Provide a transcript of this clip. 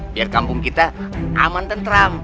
biar kampung kita aman tentram